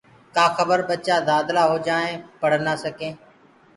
ڪآ کبر ٻچآ دآدلآ هوجآئين پڙه نآ سڪين